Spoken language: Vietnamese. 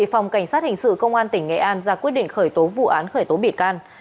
phòng cảnh sát hình sự công an tỉnh nghệ an ra quyết định khởi tố vụ án khởi tố bị can